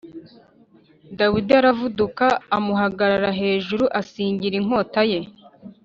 Dawidi aravuduka amuhagarara hejuru asingira inkota ye